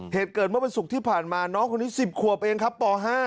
เหตุเกิดเมื่อวันศุกร์ที่ผ่านมาน้องคนนี้๑๐ขวบเองครับป๕